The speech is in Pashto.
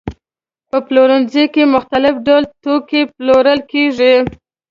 په پلورنځي کې مختلف ډول توکي پلورل کېږي.